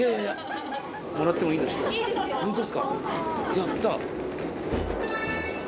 やった。